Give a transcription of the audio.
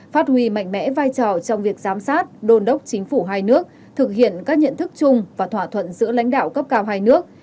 phát huy mạnh mẽ vai trò trong việc giám sát đồn đốc chính phủ hai nước thực hiện các nhận thức chung và thỏa thuận giữa lãnh đạo cấp cao hai nước